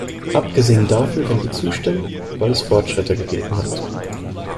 Abgesehen davon können wir zustimmen, weil es Fortschritte gegeben hat.